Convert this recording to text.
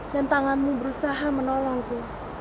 dan tanganmu berusaha menolongku